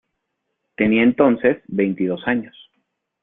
Tenía, entonces, veintidós años.